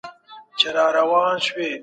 د الله حقونه به حساب سي.